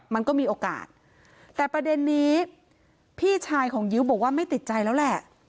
มันก็มีโอกาสแต่ประเด็นนี้พี่ชายของยิ้วบอกว่าไม่ติดใจแล้วแหละ